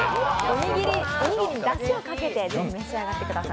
おにぎりにだしをかけて是非、召し上がってください。